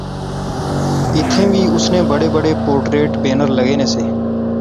ایتھیں وی اس نے بڑے بڑے پورٹریٹ بینر لغے نے سے